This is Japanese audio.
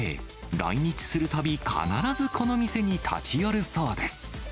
来日するたび、必ずこの店に立ち寄るそうです。